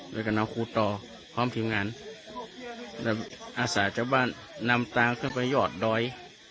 โดยกับน้องครูต่อพร้อมทีมงานและอาสาเจ้าบ้านนำตาขึ้นไปหยอดดอย